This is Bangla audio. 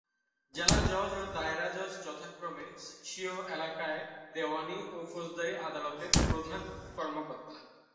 জেলা জজ ও দায়রা জজ যথাক্রমে স্বীয় এলাকার দেওয়ানী ও ফৌজদারি আদালতের প্রধান কর্মকর্তা।